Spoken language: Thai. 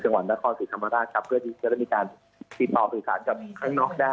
จังหวัดนครศรีธรรมราชครับเพื่อที่จะได้มีการติดต่อสื่อสารกับข้างนอกได้